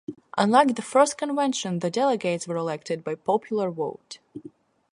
Unlike the first Convention, the delegates were elected by popular vote.